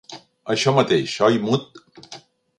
Això mateix, oi, Mud?